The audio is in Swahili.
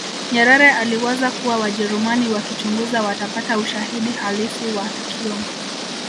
nyerere aliwaza kuwa wajerumani wakichunguza watapata ushahidi halisi wa tukio